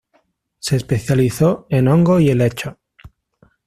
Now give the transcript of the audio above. Se especializó en hongos y helechos.